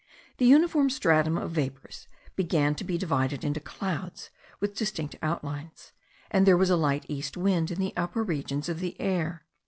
The uniform stratum of vapours began to be divided into clouds with distinct outlines: and there was a light east wind in the upper regions of the air.